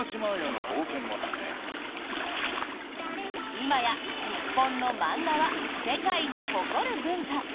今や日本の漫画は世界に誇る文化。